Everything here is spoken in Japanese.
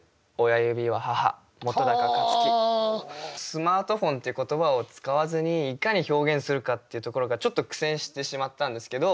「スマートフォン」っていう言葉を使わずにいかに表現するかっていうところがちょっと苦戦してしまったんですけど。